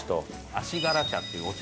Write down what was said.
足柄茶っていうお茶